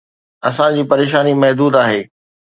اسان جي پريشاني محدود آهي.